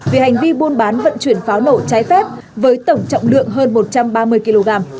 vì hành vi buôn bán vận chuyển pháo nổ trái phép với tổng trọng lượng hơn một trăm ba mươi kg